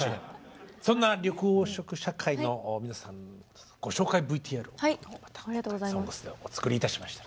そんな緑黄色社会の皆さんのご紹介ＶＴＲを「ＳＯＮＧＳ」でお作りいたしました。